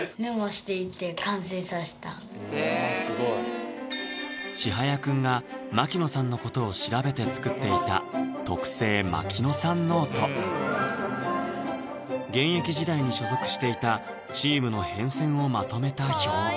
すごいちはやくんが槙野さんのことを調べて作っていた現役時代に所属していたチームの変遷をまとめた表